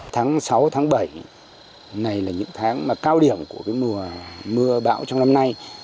tháng sáu tháng bảy này là những tháng mà cao điểm của mùa mưa bão trong năm nay